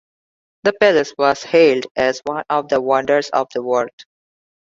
The palace was hailed as one of the wonders of the world.